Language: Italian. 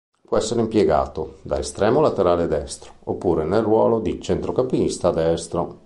Può essere impiegato da estremo laterale destro oppure nel ruolo di centrocampista destro.